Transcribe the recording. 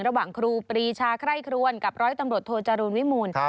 ครูปรีชาไคร่ครวนกับร้อยตำรวจโทจรูลวิมูล